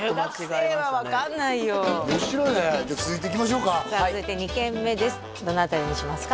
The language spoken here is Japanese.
中学生は分かんないよ面白いねじゃあ続いていきましょうかさあ続いて２軒目ですどの辺りにしますか？